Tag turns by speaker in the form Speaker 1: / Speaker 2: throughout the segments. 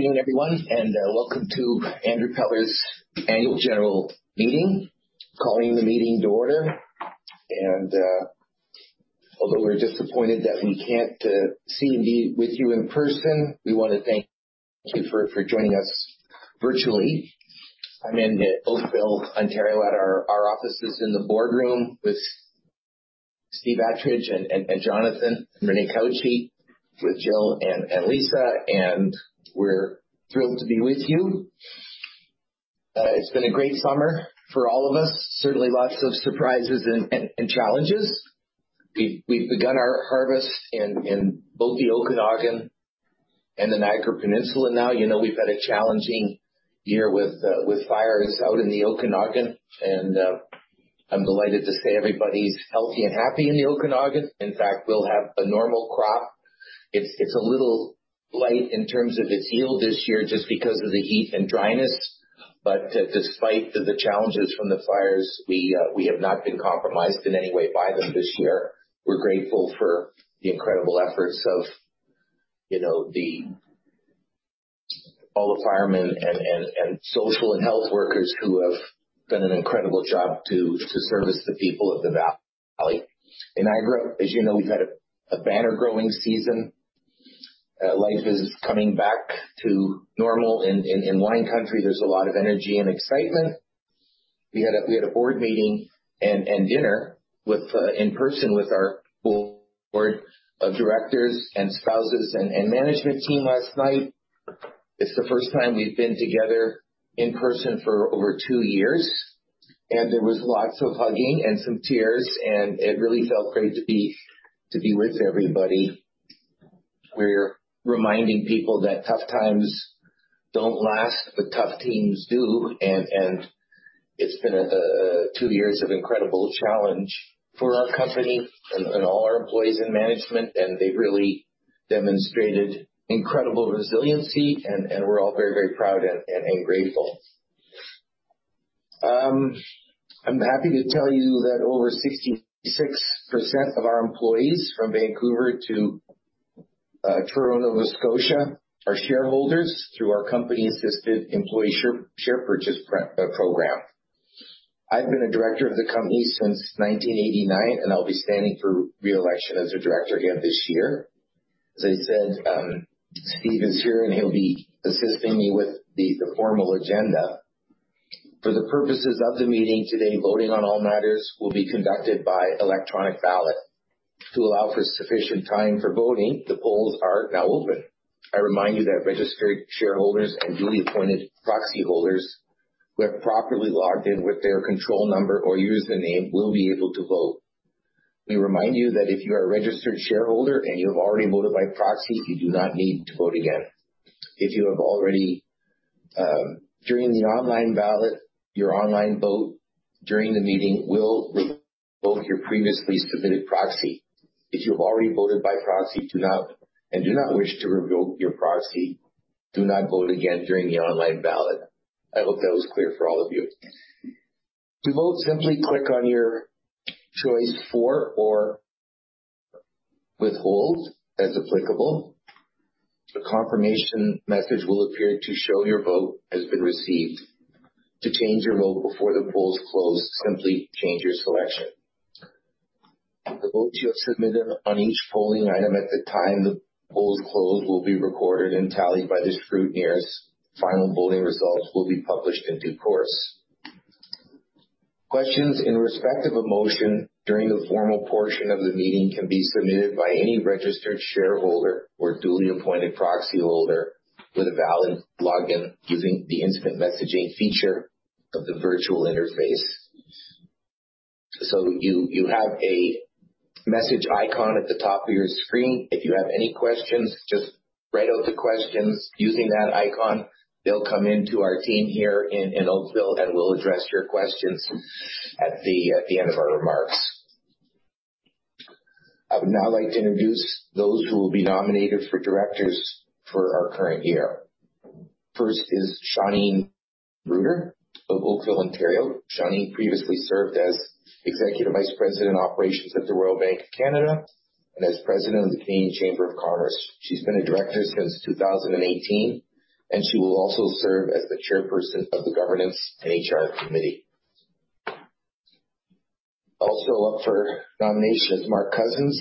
Speaker 1: Good afternoon everyone and welcome to Andrew Peller's Annual General Meeting. Calling the meeting to order. Although we're disappointed that we can't see and be with you in person, we want to thank you for joining us virtually. I'm in Oakville, Ontario, at our offices in the boardroom with Steve Attridge and Jonathan, Renee Cauchi, with Jill and Lisa. We're thrilled to be with you. It's been a great summer for all of us, certainly lots of surprises and challenges. We've begun our harvest in both the Okanagan and the Niagara Peninsula now. We've had a challenging year with fires out in the Okanagan. I'm delighted to say everybody's healthy and happy in the Okanagan. In fact, we'll have a normal crop. It's a little light in terms of its yield this year just because of the heat and dryness. Despite the challenges from the fires, we have not been compromised in any way by them this year. We're grateful for the incredible efforts of all the firemen and social and health workers who have done an incredible job to service the people of the valley. In Niagara, as you know, we've had a banner growing season. Life is coming back to normal in wine country. There's a lot of energy and excitement. We had a board meeting and dinner in person with our full board of directors and spouses and management team last night. It's the first time we've been together in person for over two years, and there was lots of hugging and some tears, and it really felt great to be with everybody. We're reminding people that tough times don't last but tough teams do, and it's been two years of incredible challenge for our company and all our employees and management, and they really demonstrated incredible resiliency, and we're all very proud and grateful. I'm happy to tell you that over 66% of our employees from Vancouver to Truro, Nova Scotia, are shareholders through our company-assisted employee share purchase program. I've been a director of the company since 1989, and I'll be standing for re-election as a director again this year. As I said, Steve is here, and he'll be assisting me with the formal agenda. For the purposes of the meeting today, voting on all matters will be conducted by electronic ballot. To allow for sufficient time for voting, the polls are now open. I remind you that registered shareholders and duly appointed proxy holders who have properly logged in with their control number or username will be able to vote. We remind you that if you are a registered shareholder and you have already voted by proxy, you do not need to vote again. During the online ballot, your online vote during the meeting will revoke your previously submitted proxy. If you have already voted by proxy and do not wish to revoke your proxy, do not vote again during the online ballot. I hope that was clear for all of you. To vote, simply click on your choice for or withhold as applicable. A confirmation message will appear to show your vote has been received. To change your vote before the polls close, simply change your selection. The votes you have submitted on each polling item at the time the polls close will be recorded and tallied by the scrutineers. Final voting results will be published in due course. Questions in respect of a motion during the formal portion of the meeting can be submitted by any registered shareholder or duly appointed proxy holder with a valid login using the instant messaging feature of the virtual interface. You have a message icon at the top of your screen. If you have any questions, just write out the questions using that icon. They'll come into our team here in Oakville, and we'll address your questions at the end of our remarks. I would now like to introduce those who will be nominated for directors for our current year. First is Shauneen Bruder of Oakville, Ontario. Shauneen previously served as executive vice president operations at the Royal Bank of Canada and as President of the Canadian Chamber of Commerce. She's been a director since 2018, and she will also serve as the chairperson of the Governance and HR Committee. Also up for nomination is Mark W. Cosens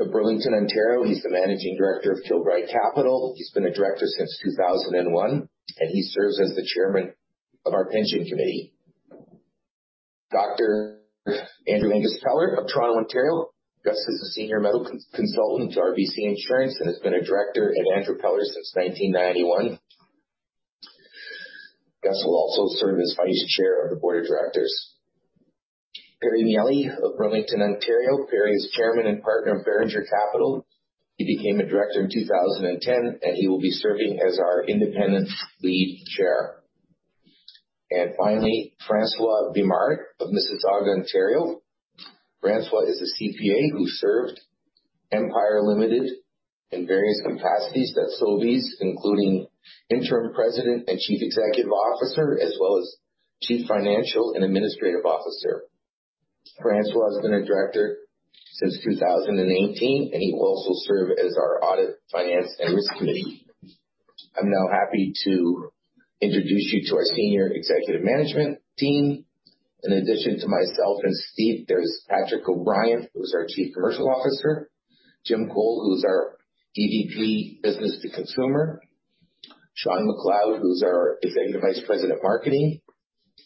Speaker 1: of Burlington, Ontario. He's the managing director of Kilbride Partners. He's been a director since 2001, and he serves as the chairman of our Pension Committee .Dr. A. Angus Peller of Toronto, Ontario. Gus is a senior medical consultant to RBC Insurance and has been a director at Andrew Peller since 1991. Angus will also serve as Vice Chair of the Board of Directors. Perry J. Miele of Burlington, Ontario. Perry is chairman and partner of Beringer Capital. He became a director in 2010, and he will be serving as our independent lead chair. Finally, François Vimard of Mississauga, Ontario. François is a CPA who served Empire Company Limited in various capacities at Sobeys, including interim president and chief executive officer, as well as chief financial and administrative officer. François has been a director since 2018. He will also serve as our Audit, Finance, and Risk Committee. I'm now happy to introduce you to our senior executive management team. In addition to myself and Steve, there's Patrick O'Brien, who's our Chief Commercial Officer, James Cole, who's our EVP, Business to Consumer, Shawn McLeod, who's our Executive Vice President, Marketing,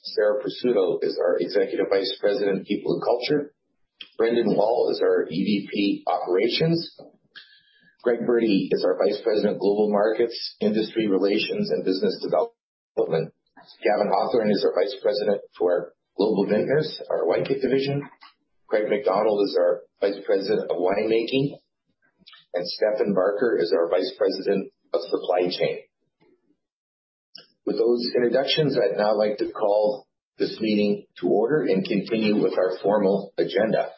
Speaker 1: Sara Presutto is our Executive Vice President, People and Culture. Brendan Wall is our EVP, Operations. Gregory Berti is our Vice President, Global Markets, Industry Relations, and Business Development. Gavin Hawthorne is our Vice President for Global Vintners, our Whitegate division. Craig McDonald is our Vice President of Winemaking. Stefan Barker is our Vice President of Supply Chain. With those introductions, I'd now like to call this meeting to order and continue with our formal agenda.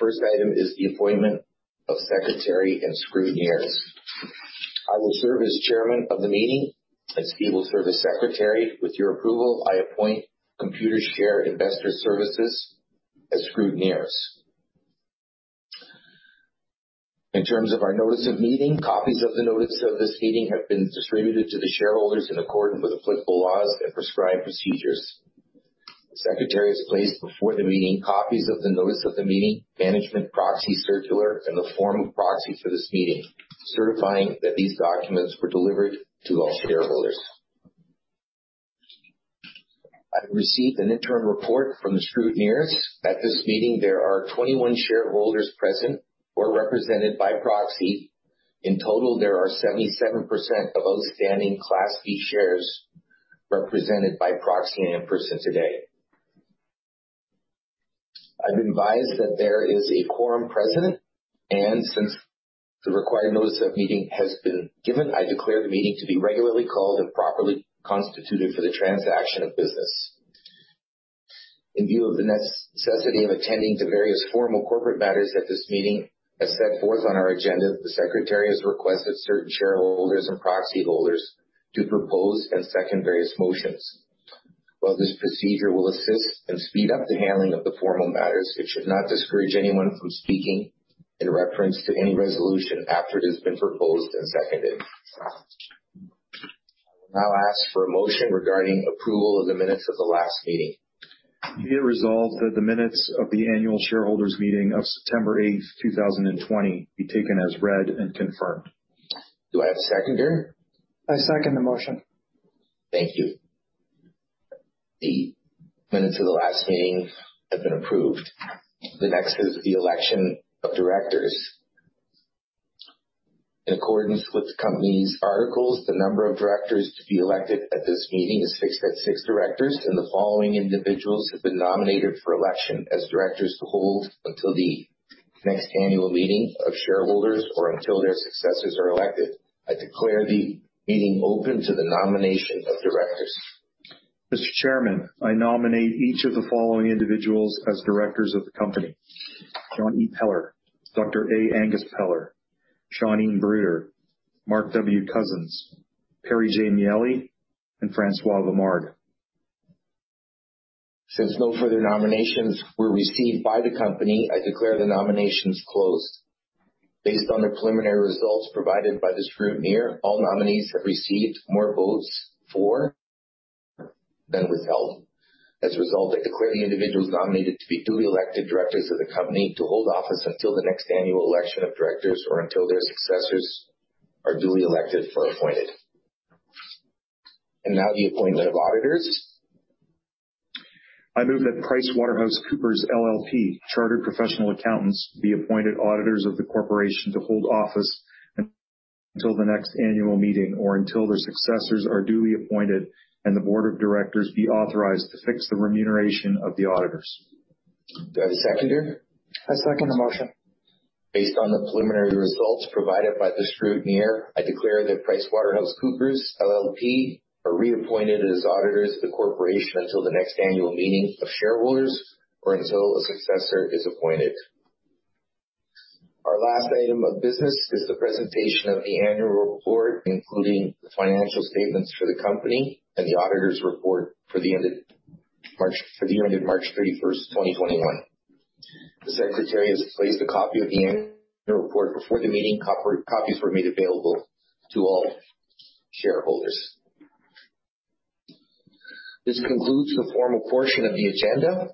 Speaker 1: First item is the appointment of secretary and scrutineers. I will serve as chairman of the meeting, and Steve will serve as secretary. With your approval, I appoint Computershare Investor Services as scrutineers. In terms of our notice of meeting, copies of the notice of this meeting have been distributed to the shareholders in accordance with applicable laws and prescribed procedures. The secretary has placed before the meeting copies of the notice of the meeting, management proxy circular, and the form of proxy for this meeting, certifying that these documents were delivered to all shareholders. I have received an interim report from the scrutineers. At this meeting, there are 21 shareholders present or represented by proxy. In total, there are 77% of outstanding Class B shares represented by proxy and in person today. I've been advised that there is a quorum present, and since the required notice of meeting has been given, I declare the meeting to be regularly called and properly constituted for the transaction of business. In view of the necessity of attending to various formal corporate matters at this meeting, as set forth on our agenda, the secretary has requested certain shareholders and proxy holders to propose and second various motions. While this procedure will assist and speed up the handling of the formal matters, it should not discourage anyone from speaking in reference to any resolution after it has been proposed and seconded. I will now ask for a motion regarding approval of the minutes of the last meeting.
Speaker 2: Be it resolved that the minutes of the annual shareholders' meeting of 8th September, 2020, be taken as read and confirmed.
Speaker 1: Do I have a seconder?
Speaker 2: I second the motion.
Speaker 1: Thank you. The minutes of the last meeting have been approved. The next is the election of directors. In accordance with the company's articles, the number of directors to be elected at this meeting is fixed at 6 directors, and the following individuals have been nominated for election as directors to hold until the next annual meeting of shareholders or until their successors are elected. I declare the meeting open to the nomination of directors.
Speaker 2: Mr. Chairman, I nominate each of the following individuals as directors of the company: John E. Peller, Dr. A. Angus Peller, Shauneen Bruder, Mark W. Cosens, Perry J. Miele, and François Vimard.
Speaker 1: Since no further nominations were received by the company, I declare the nominations closed. Based on the preliminary results provided by the scrutineer, all nominees have received more votes for than withheld. As a result, I declare the individuals nominated to be duly elected directors of the company to hold office until the next annual election of directors or until their successors are duly elected or appointed. Now the appointment of auditors.
Speaker 2: I move that PricewaterhouseCoopers LLP, chartered professional accountants, be appointed auditors of the corporation to hold office until the next annual meeting or until their successors are duly appointed and the board of directors be authorized to fix the remuneration of the auditors.
Speaker 1: Do I have a seconder?
Speaker 2: I second the motion.
Speaker 1: Based on the preliminary results provided by the scrutineer, I declare that PricewaterhouseCoopers LLP are reappointed as auditors of the corporation until the next annual meeting of shareholders or until a successor is appointed. Our last item of business is the presentation of the annual report, including the financial statements for the company and the auditors' report for the end of 31st March, 2021. The secretary has placed a copy of the annual report before the meeting. Copies were made available to all shareholders. This concludes the formal portion of the agenda.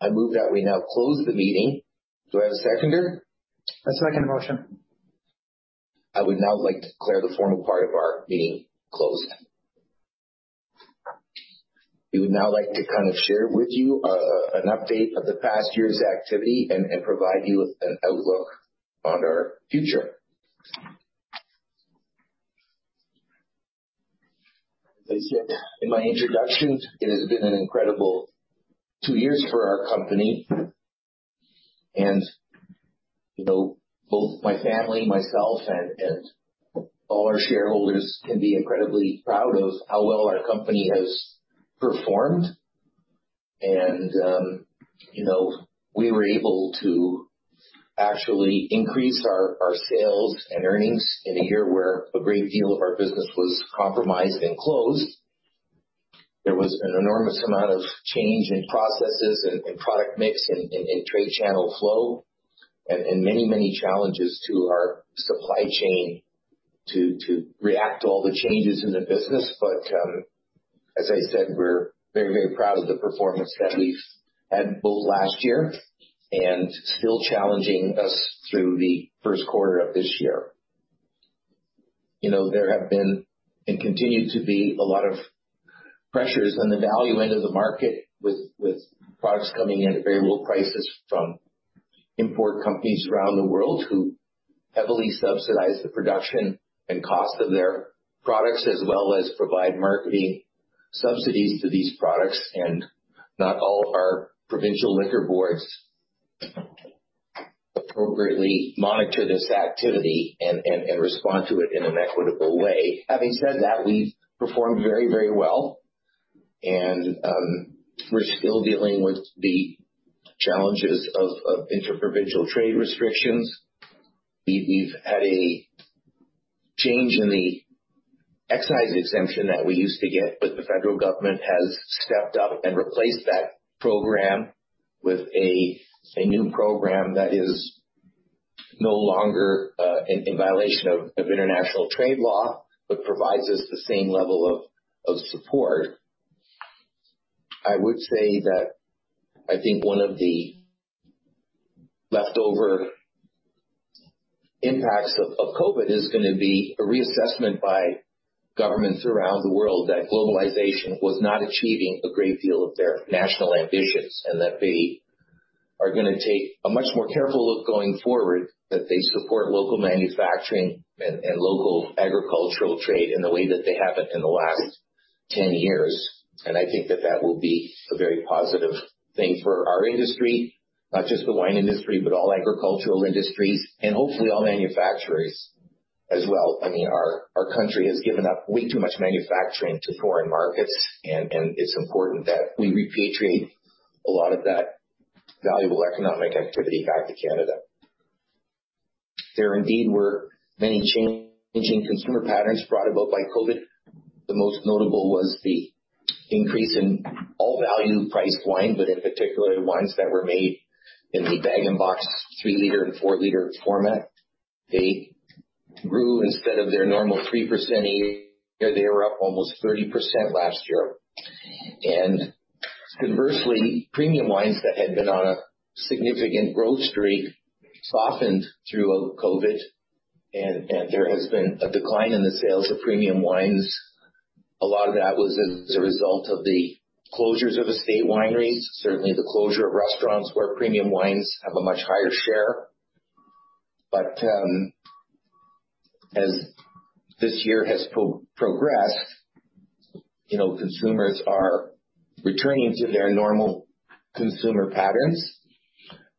Speaker 1: I move that we now close the meeting. Do I have a seconder?
Speaker 2: I second the motion.
Speaker 1: I would now like to declare the formal part of our meeting closed. We would now like to share with you an update of the past years activity and provide you with an outlook on our future. As I said in my introduction, it has been an incredible two years for our company. Both my family, myself, and all our shareholders can be incredibly proud of how well our company has performed. We were able to actually increase our sales and earnings in a year where a great deal of our business was compromised and closed. There was an enormous amount of change in processes and product mix and trade channel flow, and many, many challenges to our supply chain to react to all the changes in the business. As I said, we're very proud of the performance that we've had both last year and still challenging us through the first quarter of this year. There have been, and continue to be, a lot of pressures on the value end of the market with products coming in at very low prices from import companies around the world who heavily subsidize the production and cost of their products, as well as provide marketing subsidies to these products, and not all of our provincial liquor boards appropriately monitor this activity and respond to it in an equitable way. Having said that, we've performed very well, and we're still dealing with the challenges of inter-provincial trade restrictions. We've had a change in the excise exemption that we used to get but the federal government has stepped up and replaced that program with a new program that is no longer in violation of international trade law, but provides us the same level of support. I would say that I think one of the leftover impacts of COVID is going to be a reassessment by governments around the world that globalization was not achieving a great deal of their national ambitions, and that they are going to take a much more careful look going forward, that they support local manufacturing and local agricultural trade in the way that they haven't in the last 10 years. I think that, that will be a very positive thing for our industry, not just the wine industry but all agricultural industries and hopefully all manufacturers as well. Our country has given up way too much manufacturing to foreign markets, and it's important that we repatriate a lot of that valuable economic activity back to Canada. There indeed were many changing consumer patterns brought about by COVID. The most notable was the increase in all value-priced wine, but in particular, wines that were made in the bag-in-box 3-liter and 4-liter format. They grew instead of their normal 3% a year, they were up almost 30% last year. Conversely, premium wines that had been on a significant growth streak softened through COVID, and there has been a decline in the sales of premium wines. A lot of that was as a result of the closures of estate wineries, certainly the closure of restaurants where premium wines have a much higher share. As this year has progressed, consumers are returning to their normal consumer patterns.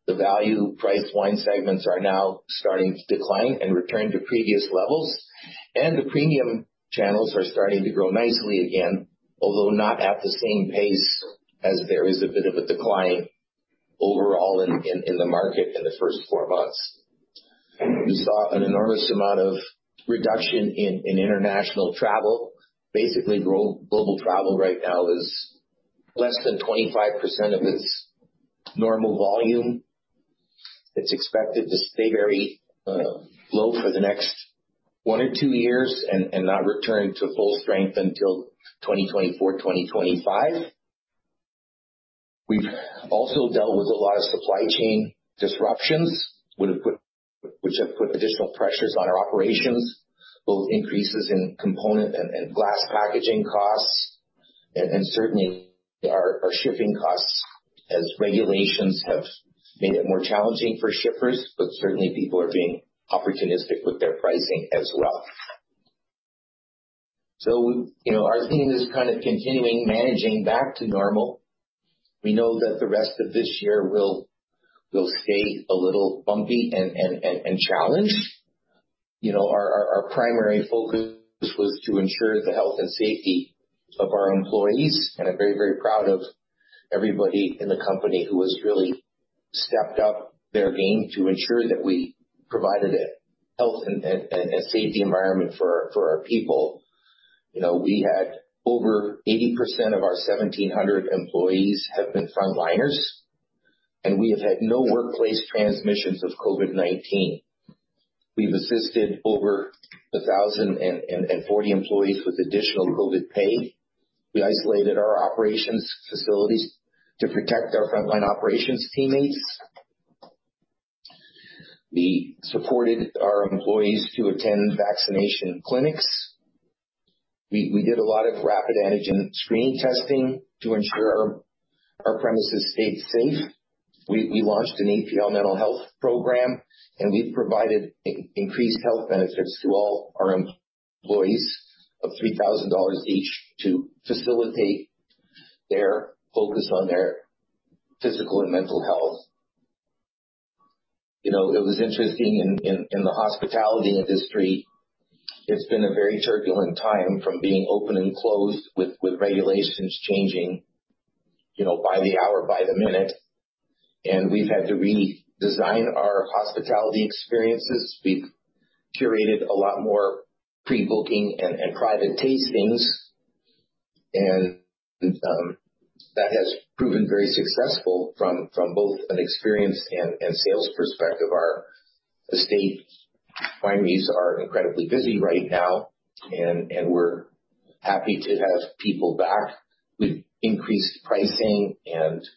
Speaker 1: The value price wine segments are now starting to decline and return to previous levels, the premium channels are starting to grow nicely again, although not at the same pace as there is a bit of a decline overall in the market in the first four months. We saw an enormous amount of reduction in international travel. Basically, global travel right now is less than 25% of its normal volume. It's expected to stay very low for the next 1 or 2 years and not return to full strength until 2024, 2025. We've also dealt with a lot of supply chain disruptions, which have put additional pressures on our operations, both increases in component and glass packaging costs, certainly our shipping costs, as regulations have made it more challenging for shippers. Certainly, people are being opportunistic with their pricing as well. Our theme is kind of continuing managing back to normal. We know that the rest of this year will stay a little bumpy and challenged. Our primary focus was to ensure the health and safety of our employees, and I'm very proud of everybody in the company who has really stepped up their game to ensure that we provided a health and safety environment for our people. We had over 80% of our 1,700 employees have been frontliners, and we have had no workplace transmissions of COVID-19. We've assisted over 1,040 employees with additional COVID pay. We isolated our operations facilities to protect our frontline operations teammates. We supported our employees to attend vaccination clinics. We did a lot of rapid antigen screening testing to ensure our premises stayed safe. We launched an APL mental health program, and we've provided increased health benefits to all our employees of 3,000 dollars each to facilitate their focus on their physical and mental health. It was interesting in the hospitality industry, it's been a very turbulent time from being open and closed with regulations changing. By the hour, by the minute, and we've had to redesign our hospitality experiences. We've curated a lot more pre-booking and private tastings, and that has proven very successful from both an experience and sales perspective. Our estate wineries are incredibly busy right now, and we're happy to have people back. We've increased pricing and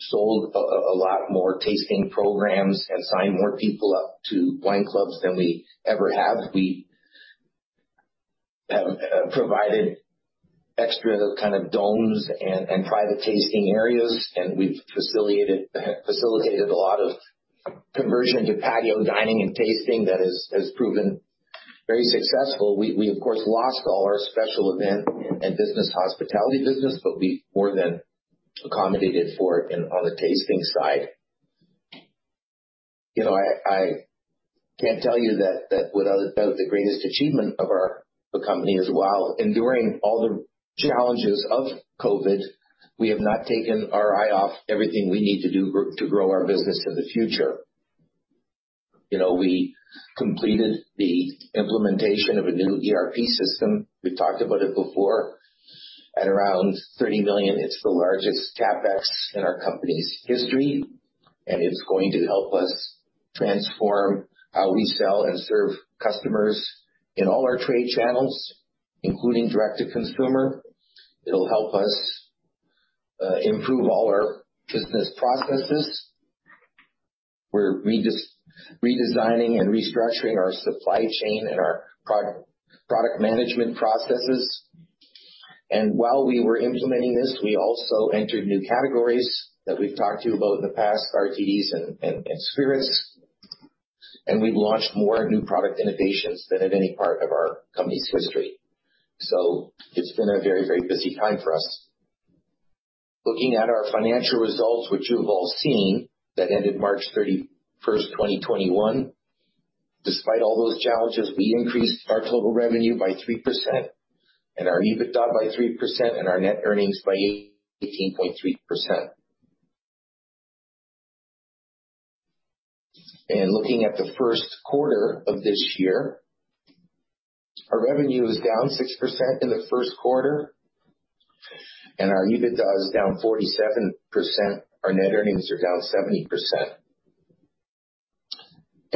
Speaker 1: sold a lot more tasting programs and signed more people up to wine clubs than we ever have. We have provided extra domes and private tasting areas, and we've facilitated a lot of conversion to patio dining and tasting that has proven very successful. We, of course, lost all our special event and business hospitality business, but we more than accommodated for it on the tasting side. I can't tell you that without a doubt, the greatest achievement of our company is while enduring all the challenges of COVID, we have not taken our eye off everything we need to do to grow our business in the future. We completed the implementation of a new ERP system. We've talked about it before, at around 30 million. It's the largest CapEx in our company's history, and it's going to help us transform how we sell and serve customers in all our trade channels, including direct-to-consumer. It'll help us improve all our business processes. We're redesigning and restructuring our supply chain and our product management processes. While we were implementing this, we also entered new categories that we've talked to you about in the past, RTDs and spirits. We've launched more new product innovations than at any part of our company's history. It's been a very busy time for us. Looking at our financial results, which you've all seen, that ended 31st March, 2021. Despite all those challenges, we increased our total revenue by 3% and our EBITDA by 3%, and our net earnings by 18.3%. Looking at the first quarter of this year, our revenue is down 6% in the first quarter, and our EBITDA is down 47%. Our net earnings are down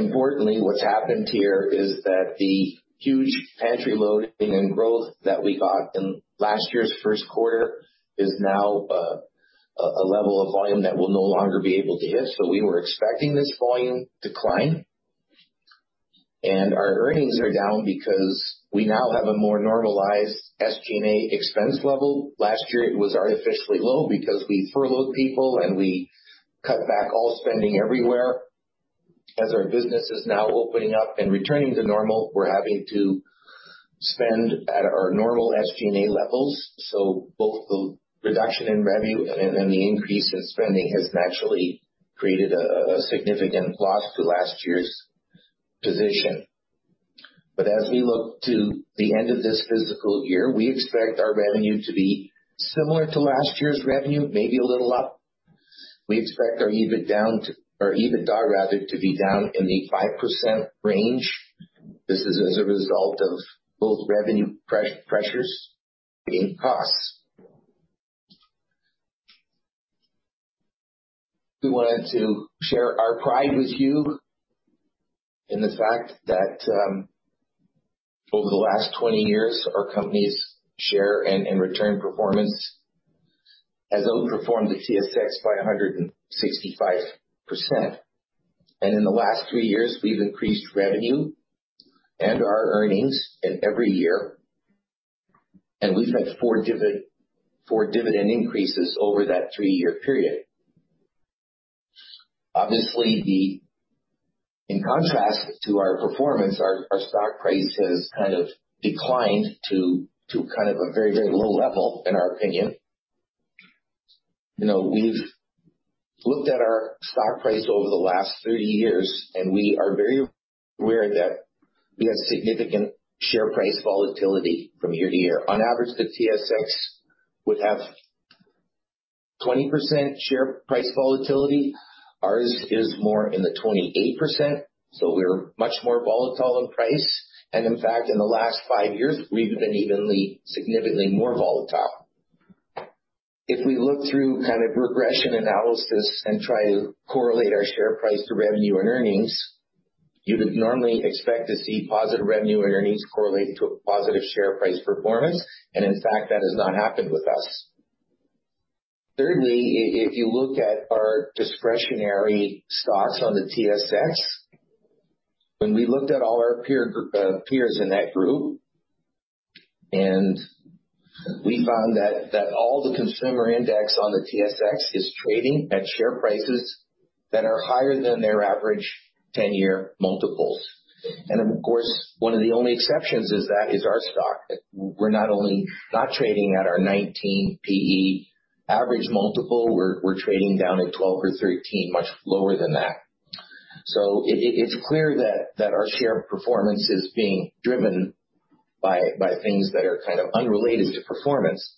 Speaker 1: 70%. Importantly, what's happened here is that the huge pantry loading and growth that we got in last year's first quarter is now a level of volume that we'll no longer be able to hit. We were expecting this volume decline. And our earnings are down because we now have a more normalized SGA expense level. Last year, it was artificially low because we furloughed people, and we cut back all spending everywhere. As our business is now opening up and returning to normal, we are having to spend at our normal SGA levels. Both the reduction in revenue and the increase in spending has naturally created a significant loss to last year's position. But as we look to the end of this physical year, we expect our revenue to be similar to last year's revenue, maybe a little up. We expect our EBITDA to be down in the 5% range. This is as a result of both revenue pressures and costs. We wanted to share our pride with you in the fact that over the last 20 years, our company's share and return performance has outperformed the TSX by 165%. In the last three years, we've increased revenue and our earnings in every year, and we've had four dividend increases over that three-year period. Obviously, in contrast to our performance, our stock price has kind of declined to a very low level, in our opinion. We've looked at our stock price over the last 30 years, and we are very aware that we have significant share price volatility from year to year. On average, the TSX would have 20% share price volatility. Ours is more in the 28%, we're much more volatile in price. In fact, in the last five years, we've been evenly, significantly more volatile. If we look through regression analysis and try to correlate our share price to revenue and earnings, you'd normally expect to see positive revenue and earnings correlating to a positive share price performance. In fact, that has not happened with us. Thirdly, if you look at our discretionary stocks on the TSX, when we looked at all our peers in that group, we found that all the consumer index on the TSX is trading at share prices that are higher than their average 10-year multiples. Of course, one of the only exceptions is that is our stock. We're not only not trading at our 19 PE average multiple, we're trading down at 12 or 13, much lower than that. It's clear that our share performance is being driven by things that are kind of unrelated to performance.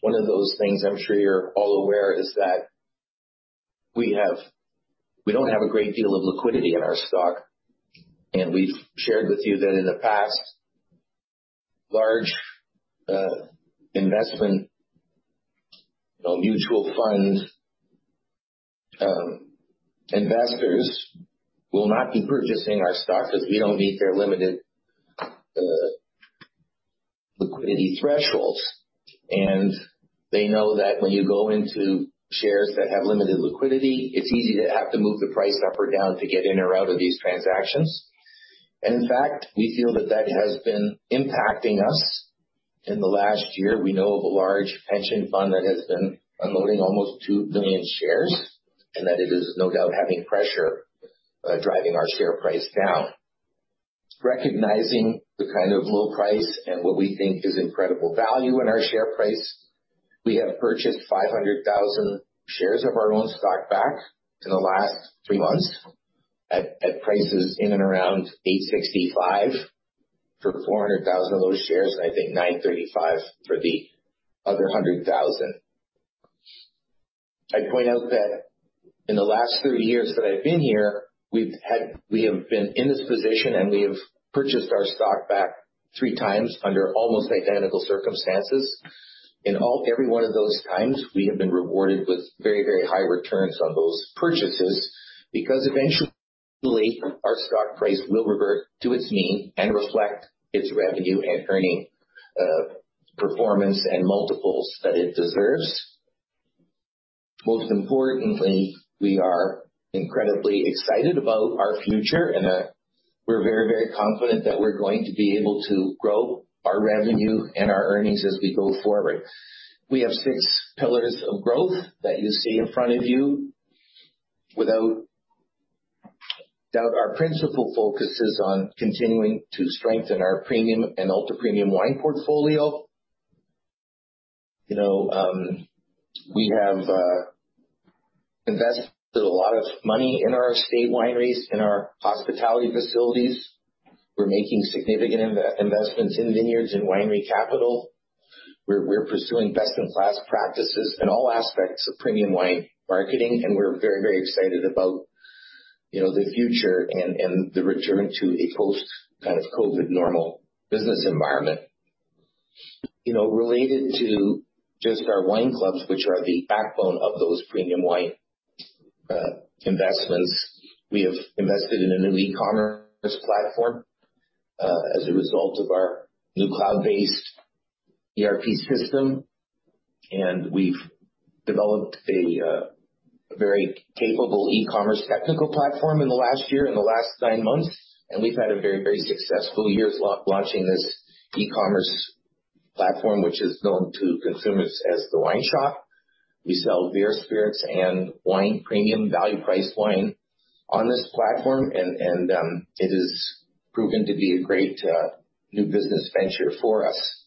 Speaker 1: One of those things I'm sure you're all aware is that we don't have a great deal of liquidity in our stock, and we've shared with you that in the past, large investment mutual fund investors will not be purchasing our stock because we don't meet their limited liquidity thresholds. They know that when you go into shares that have limited liquidity, it's easy to have to move the price up or down to get in or out of these transactions. In fact, we feel that that has been impacting us in the last year. We know of a large pension fund that has been unloading almost 2 million shares, and that it is no doubt having pressure, driving our share price down. Recognizing the kind of low price and what we think is incredible value in our share price, we have purchased 500,000 shares of our own stock back in the last three months at prices in and around 8.65 for 400,000 of those shares, and I think 9.35 for the other 100,000. I point out that in the last three years that I've been here, we have been in this position, and we have purchased our stock back three times under almost identical circumstances. In every one of those times, we have been rewarded with very high returns on those purchases because eventually, our stock price will revert to its mean and reflect its revenue and earning performance and multiples that it deserves. Most importantly, we are incredibly excited about our future, and we're very confident that we're going to be able to grow our revenue and our earnings as we go forward. We have six pillars of growth that you see in front of you. Without doubt, our principal focus is on continuing to strengthen our premium and ultra-premium wine portfolio. We have invested a lot of money in our estate wineries, in our hospitality facilities. We're making significant investments in vineyards and winery capital. We're pursuing best-in-class practices in all aspects of premium wine marketing, and we're very excited about the future and the return to a post-COVID-19 normal business environment. Related to just our wine clubs, which are the backbone of those premium wine investments, we have invested in a new e-commerce platform as a result of our new cloud-based ERP system, and we've developed a very capable e-commerce technical platform in the last year, in the last nine months, and we've had a very successful year launching this e-commerce platform, which is known to consumers as The Wine Shop. We sell beer, spirits, and premium value-priced wine on this platform, and it has proven to be a great new business venture for us.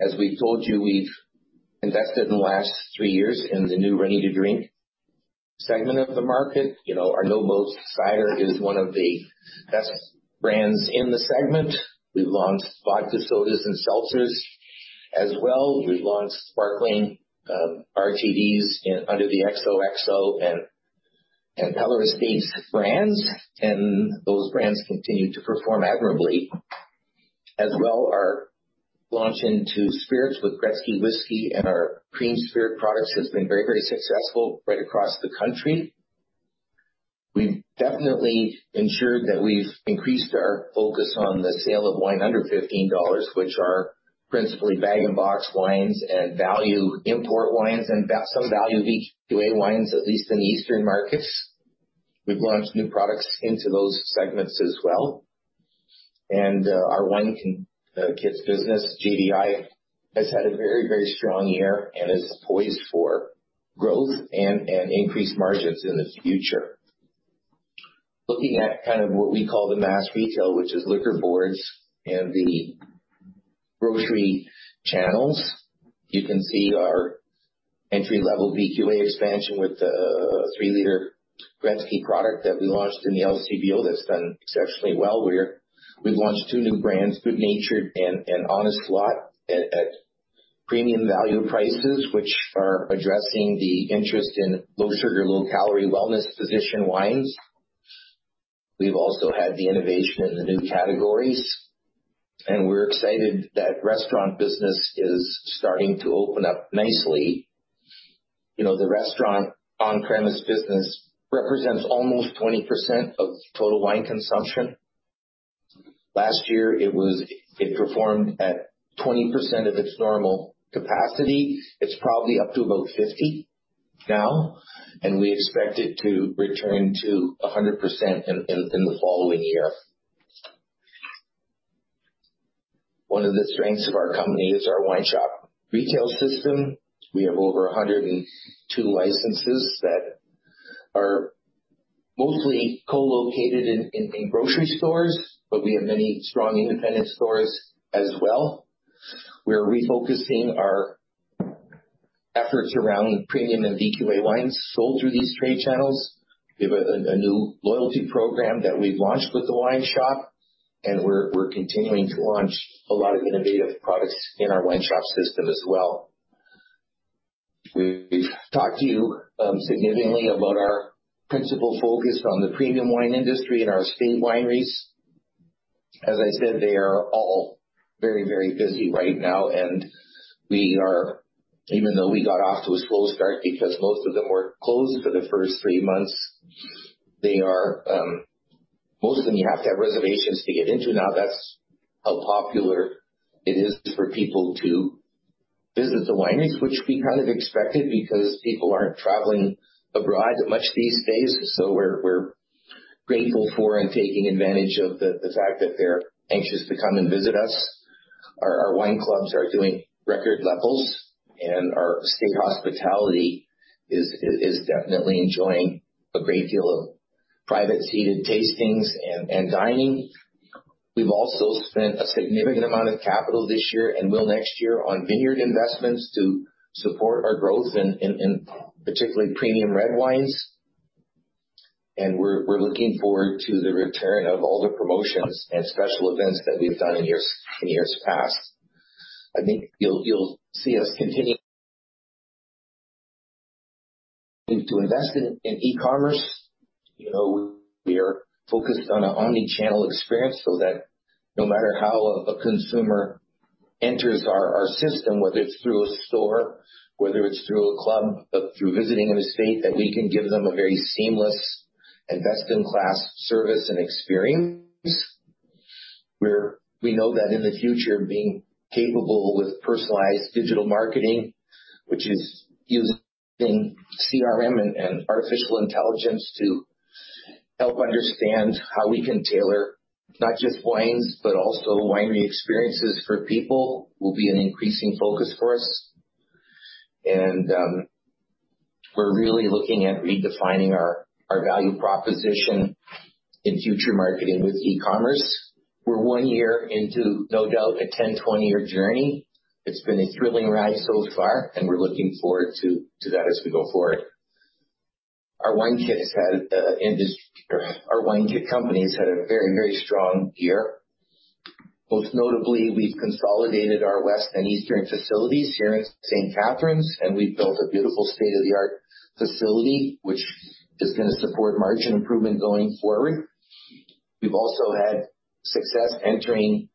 Speaker 1: As we've told you, we've invested in the last three years in the new ready-to-drink segment of the market. Our No Boats on Sunday cider is one of the best brands in the segment. We've launched vodka sodas and seltzers as well. We've launched sparkling RTDs under the XOXO and Peller Estates brands, and those brands continue to perform admirably. As well, our launch into spirits with Gretzky Whisky and our cream spirit products has been very successful right across the country. We've definitely ensured that we've increased our focus on the sale of wine under 15 dollars, which are principally bag-in-box wines and value import wines and some value VQA wines, at least in the eastern markets. We've launched new products into those segments as well. Our wine kits business, GVI, has had a very strong year and is poised for growth and increased margins in the future. Looking at what we call the mass retail, which is liquor boards and the grocery channels, you can see our entry-level VQA expansion with the 3-liter Gretzky product that we launched in the LCBO that's done exceptionally well. We've launched two new brands, Good Natured and Honest Lot at premium value prices, which are addressing the interest in low sugar, low calorie wellness position wines. We've also had the innovation in the new categories, and we're excited that restaurant business is starting to open up nicely. The restaurant on-premise business represents almost 20% of total wine consumption. Last year, it performed at 20% of its normal capacity. It's probably up to about 50 now, and we expect it to return to 100% in the following year. One of the strengths of our company is our WineShop retail system. We have over 102 licenses that are mostly co-located in grocery stores, but we have many strong independent stores as well. We're refocusing our efforts around premium and VQA wines sold through these trade channels. We have a new loyalty program that we've launched with The Wine Shop, and we're continuing to launch a lot of innovative products in our The Wine Shop system as well. We've talked to you significantly about our principal focus on the premium wine industry and our estate wineries. As I said, they are all very busy right now, and even though we got off to a slow start because most of them were closed for the first 3 months, most of them you have to have reservations to get into now. That's how popular it is for people to visit the wineries, which we kind of expected because people aren't traveling abroad that much these days. We're grateful for and taking advantage of the fact that they're anxious to come and visit us. Our wine clubs are doing record levels, and our estate hospitality is definitely enjoying a great deal of private seated tastings and dining. We've also spent a significant amount of capital this year and will next year on vineyard investments to support our growth in particularly premium red wines. We're looking forward to the return of all the promotions and special events that we've done in years past. I think you'll see us continuing to invest in e-commerce. We are focused on an omni-channel experience so that no matter how a consumer enters our system, whether it's through a store, whether it's through a club, or through visiting an estate, that we can give them a very seamless and best-in-class service and experience. We know that in the future, being capable with personalized digital marketing, which is using CRM and artificial intelligence to help understand how we can tailor not just wines, but also winery experiences for people, will be an increasing focus for us. We're really looking at redefining our value proposition in future marketing with e-commerce. We're one year into, no doubt, a 10, 20-year journey. It's been a thrilling ride so far, and we're looking forward to that as we go forward. Our wine kit company has had a very strong year. Most notably, we've consolidated our west and eastern facilities here in St. Catharines, and we've built a beautiful state-of-the-art facility, which is going to support margin improvement going forward. We've also had success entering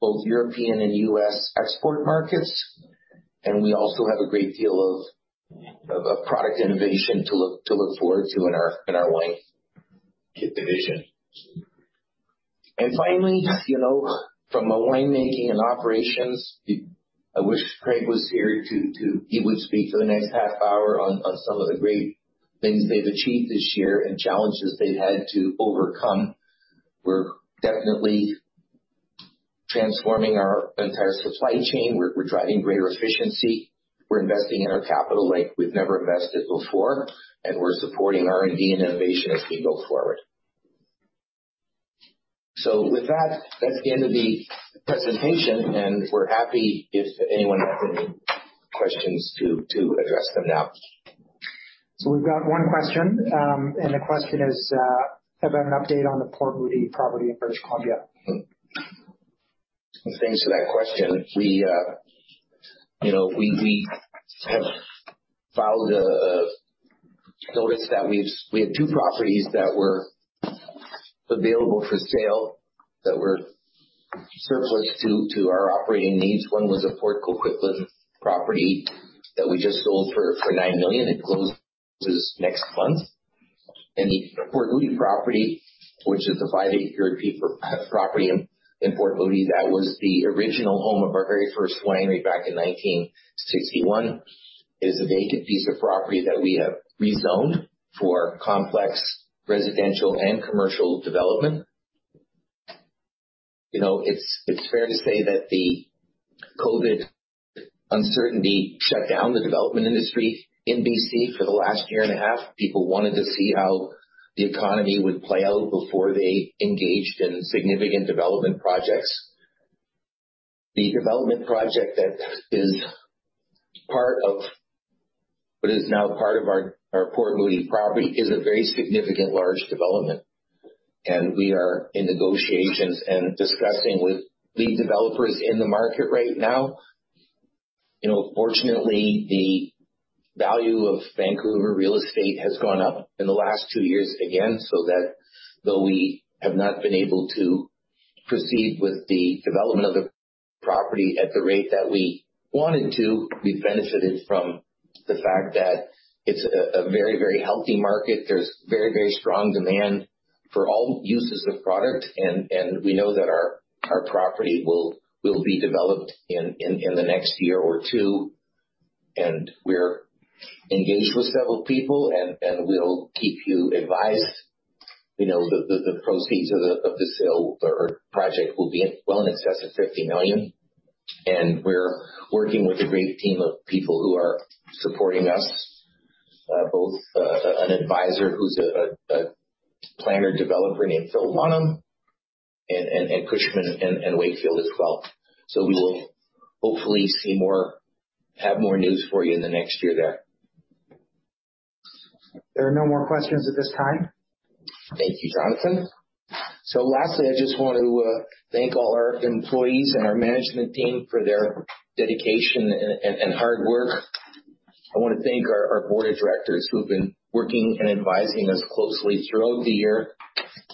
Speaker 1: both European and U.S. export markets. We also have a great deal of product innovation to look forward to in our wine kit division. Finally, from a winemaking and operations, I wish Craig was here. He would speak for the next half hour on some of the great things they've achieved this year and challenges they've had to overcome. We're definitely transforming our entire supply chain. We're driving greater efficiency. We're investing in our capital like we've never invested before. We're supporting R&D and innovation as we go forward. With that's the end of the presentation. We're happy if anyone has any questions to address them now.
Speaker 3: We've got one question, and the question is about an update on the Port Moody property in British Columbia.
Speaker 1: Thanks for that question. We have filed a notice that we have two properties that were available for sale that were surplus to our operating needs. One was a Port Coquitlam property that we just sold for 9 million. It closes next month. The Port Moody property, which is a 5.8-acre piece of property in Port Moody, that was the original home of our very first winery back in 1961. It is a vacant piece of property that we have rezoned for complex residential and commercial development. It's fair to say that the COVID-19 uncertainty shut down the development industry in BC for the last year and a half. People wanted to see how the economy would play out before they engaged in significant development projects. The development project that is now part of our Port Moody property is a very significant, large development, and we are in negotiations and discussing with lead developers in the market right now. Fortunately, the value of Vancouver real estate has gone up in the last two years again, so that though we have not been able to proceed with the development of the property at the rate that we wanted to, we've benefited from the fact that it's a very healthy market. There's very strong demand for all uses of product, and we know that our property will be developed in the next year or two, and we're engaged with several people, and we'll keep you advised. The proceeds of the sale or project will be well in excess of 50 million. We're working with a great team of people who are supporting us, both an advisor who's a Planner Developer named Phil Bonham, and Cushman & Wakefield as well. We will hopefully have more news for you in the next year there.
Speaker 3: There are no more questions at this time.
Speaker 1: Thank you Jonathan. Lastly, I just want to thank all our employees and our management team for their dedication and hard work. I want to thank our board of directors who've been working and advising us closely throughout the year.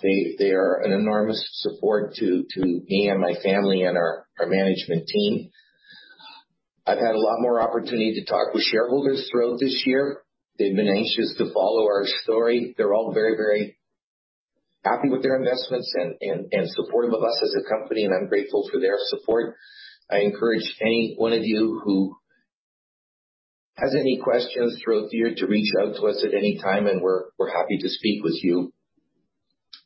Speaker 1: They are an enormous support to me and my family and our management team. I've had a lot more opportunity to talk with shareholders throughout this year. They've been anxious to follow our story. They're all very happy with their investments and supportive of us as a company, and I'm grateful for their support. I encourage any one of you who has any questions throughout the year to reach out to us at any time, and we're happy to speak with you.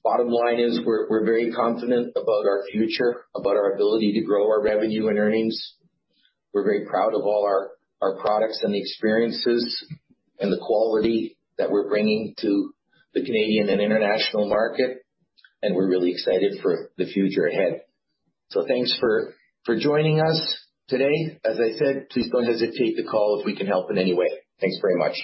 Speaker 1: Bottom line is we're very confident about our future, about our ability to grow our revenue and earnings. We're very proud of all our products and the experiences and the quality that we're bringing to the Canadian and international market, and we're really excited for the future ahead. Thanks for joining us today. As I said please don't hesitate to call if we can help in any way. Thanks very much.